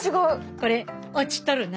これ落ちとるな。